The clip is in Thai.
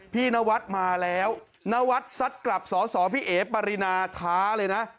พี่ณวัดมาแล้วณวัดซัดกรับสอดสกฏคพิเอปรินาท้าเลยนะ